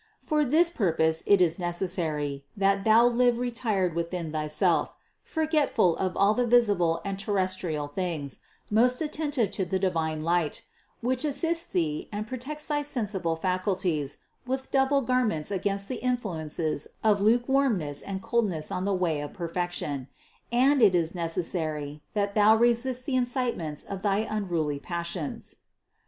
For this purpose it is necessary, that thou live retired within thyself, forgetful of all the visible and terrestrial things, most attentive to the divine light, which assists thee and protects thy sensible facul ties with double vestments against the influences of luke warmness and coldness on the way of perfection; and it is necessary, that thou resist the incitements of thy unruly passions.